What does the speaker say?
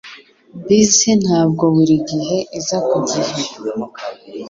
Bisi ntabwo buri gihe iza ku gihe.